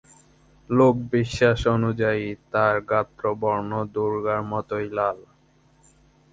লোকবিশ্বাস অনুযায়ী, তার গাত্রবর্ণ দুর্গার মতোই লাল।